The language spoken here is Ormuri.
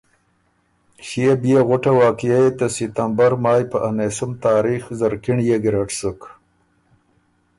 ݭيې بيې غُټه واقعیه يې ته ستمبر مایٛ په انېسُم تاریخ زرکِنړيې ګیرډ سُک۔